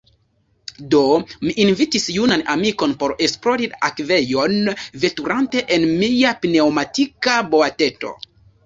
Do, mi invitis junan amikon por esplori la akvejon, veturante en mia pneŭmatika boateto.